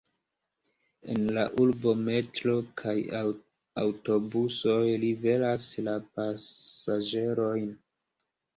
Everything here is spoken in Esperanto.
En la urbo metroo kaj aŭtobusoj liveras la pasaĝerojn.